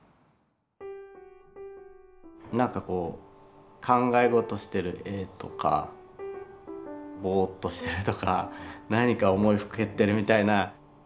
なんかこう考え事してる絵とかボーッとしてるとか何か思いふけってるみたいな。